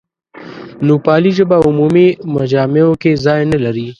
نوپالي ژبه عمومي مجامعو کې ځای نه لري.